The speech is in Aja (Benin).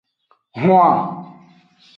Hwan.